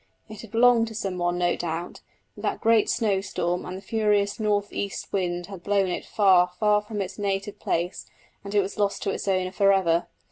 It had belonged to some one, no doubt, but that great snowstorm and the furious north east wind had blown it far far from its native place and it was lost to its owner for ever.